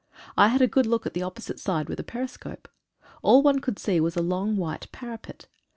I had a good look at the opposite side with a periscope. All one could see was a long white parapet.